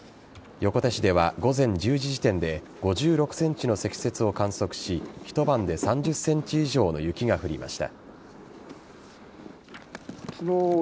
横手市では午前１１時時点で５６ｃｍの積雪を観測し一晩で３０ｃｍ以上の雪が降りました。